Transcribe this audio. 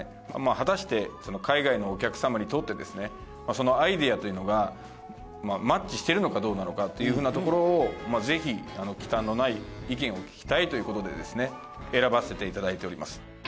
果たして海外のお客様にとってですねアイデアというのがマッチしているのかどうなのかっていう風なところをぜひ忌憚のない意見を聞きたいという事でですね選ばせていただいております。